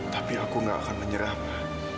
tapi aku gak akan menyerah ma